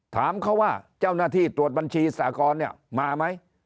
ถามเขาว่าเจ้าหน้าที่ตรวจบัญชีสากรเนี่ยมาไหม